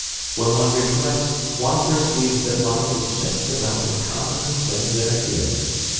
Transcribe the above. When one reflects, one perceives that money is just about the commonest thing there is.